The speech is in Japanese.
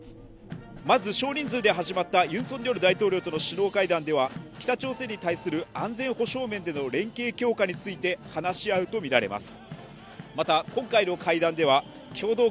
まず少人数で始まったユン・ソンニョル大統領との首脳会談では北朝鮮に対する安全保障面での連携強化について話し合うとみられます。